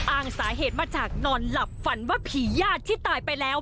อ้างสาเหตุมาจากนอนหลับฝันว่าผีญาติที่ตายไปแล้ว